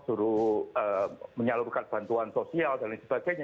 suruh menyalurkan bantuan sosial dan lain sebagainya